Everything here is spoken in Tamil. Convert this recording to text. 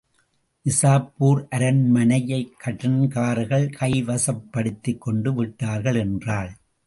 நிசாப்பூர் அரண்மனையைக் கடன்காரர்கள் கைவசப்படுத்திக் கொண்டு விட்டார்கள்! என்றாள்.